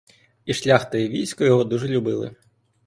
І шляхта, і військо його дуже любили.